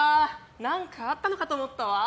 何かあったのかと思ったわ。